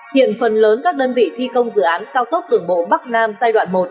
hiện phần lớn các đơn vị thi công dự án cao tốc đường bộ bắc nam giai đoạn một